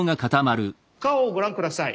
顔をご覧下さい。